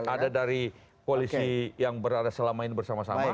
ada dari koalisi yang berada selama ini bersama sama